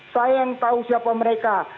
saya yang tahu siapa mereka